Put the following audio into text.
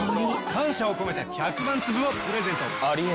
感謝を込めて１００万粒をプレゼント。